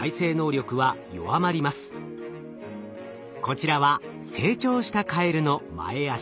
こちらは成長したカエルの前足。